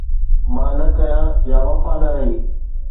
مان نه ڪريان يا وفا نه رهي